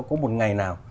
có một ngày nào